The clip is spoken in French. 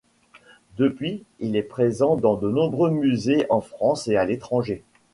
Depuis, il est présent dans de nombreux musées en France et à l'étranger.